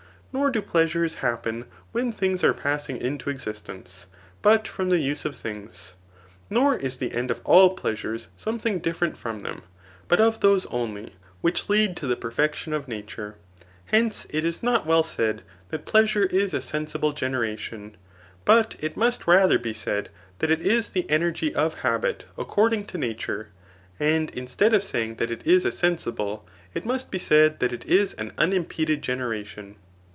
Nor do pleasures happen when things are passing into existence, but from: die use of things. Nor is the end of all pleasures flome* thing different from than^ but of those only which lead Digitized by Google 278 THE MICOMACHEAN BOOK VIX. to the perfecdon of nature. Hence, it is not wdl said^ that pleasure is a sensible gaieration ; but it must rather be said that it is the energy of habit according to nature ; and instead of saying that it is a sensible, it must be said that it is an unimpeded generation.